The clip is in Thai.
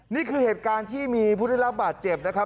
นี่คือเหตุการณ์ที่มีผู้ได้รับบาดเจ็บนะครับ